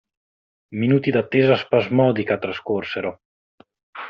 Minuti d'attesa spasmodica trascorsero.